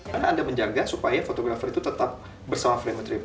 karena anda menjaga supaya fotografer itu tetap bersama fremetrip